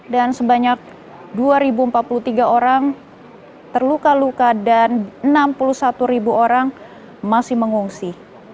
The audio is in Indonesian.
dan sebanyak dua empat puluh tiga orang terluka luka dan enam puluh satu orang masih mengungsi